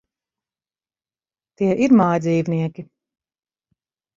Tie ir mājdzīvnieki.